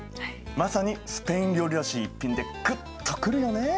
まさにスペイン料理らしい一品でグッとくるよね。